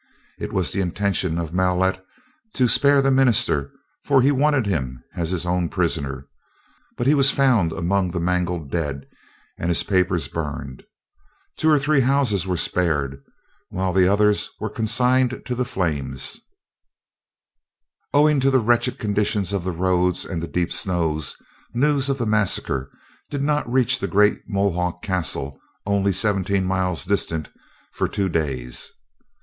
It was the intention of Maulet to spare the minister, for he wanted him as his own prisoner; but he was found among the mangled dead, and his papers burned. Two or three houses were spared, while the others were consigned to the flames. [Illustration: Naught was to be seen, save massacre and pillage on every side.] Owing to the wretched condition of the roads and the deep snows, news of the massacre did not reach the great Mohawk castle, only seventeen miles distant, for two days.